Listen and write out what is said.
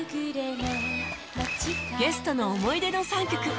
ゲストの思い出の３曲